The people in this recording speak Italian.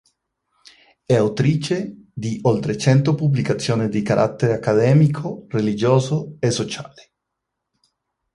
È autrice di oltre cento pubblicazioni di carattere accademico, religioso e sociale.